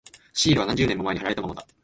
シールは何十年も前に貼られたままだ。